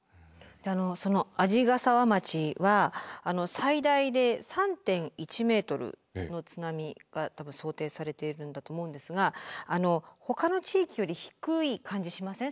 その鰺ヶ沢町は最大で３．１ｍの津波が想定されているんだと思うんですがほかの地域より低い感じしません？